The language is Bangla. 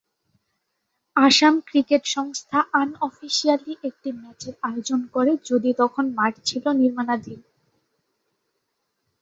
আসাম ক্রিকেট সংস্থা আন-অফিসিয়ালি একটি ম্যাচের আয়োজন করে যদি তখন মাঠ ছিল নির্মাণাধীন।